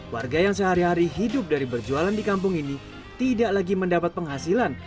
warga yang sehari hari hidup dari berjualan di kampung ini tidak lagi mendapat penghasilan